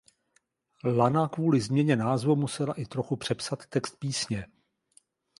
Lana kvůli změně názvu musela i trochu přepsat text písně.